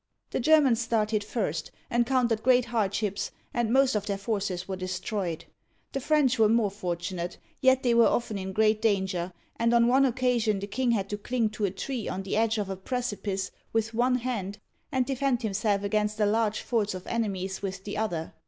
The Germans started first, encountered great hardships, and most of their forces were destroyed. The French were more fortunate ; yet they were often in great danger, o. F. — 8 r^ ] Digitized by VjOOQIC Ii8 OLD FRANCE and on one occasion the king had to cling to a tree on the edge of a precipice with one hand, and defend himself against a large force of enemies with the other.